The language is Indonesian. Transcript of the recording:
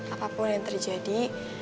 apapun yang terjadi